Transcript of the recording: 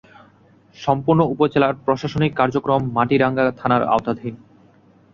সম্পূর্ণ উপজেলার প্রশাসনিক কার্যক্রম মাটিরাঙ্গা থানার আওতাধীন।